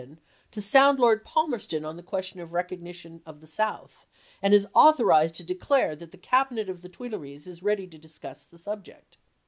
don, to sound Lord Palmerston on the question of recognition of the South, and is authorized to declare that the Cabinet of the Tuileries is ready to discuss the subject."